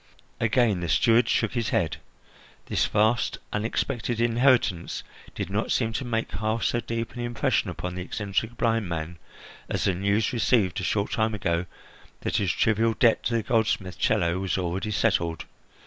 Again the steward shook his head; this vast, unexpected inheritance did not seem to make half so deep an impression upon the eccentric blind man as the news received a short time ago that his trivial debt to the goldsmith Chello was already settled.